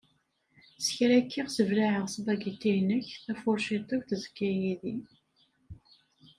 S kra kkiɣ sseblaɛeɣ ssbagiti-inek, tafurciṭ-iw tezga yid-i.